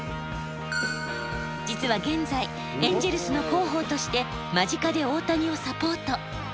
実は現在エンジェルスの広報として間近で大谷をサポート。